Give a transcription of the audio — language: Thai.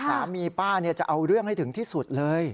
สามีป้าจะเอาเรื่องให้ถึงที่สุดเลย